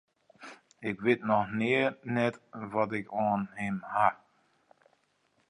Ik wit noch nea net wat ik oan him haw.